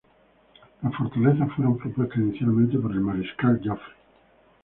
Las fortalezas fueron propuestas inicialmente por el mariscal Joffre.